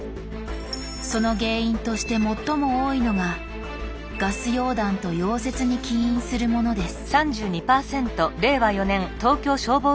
その原因として最も多いのがガス溶断と溶接に起因するものです